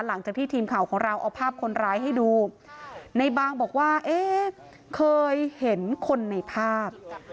หลังจากที่ทีมข่าวของเราเอาภาพคนร้ายให้ดูในบางบอกว่าเอ๊ะเคยเห็นคนในภาพ